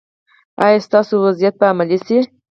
ایا ستاسو وصیت به عملي شي؟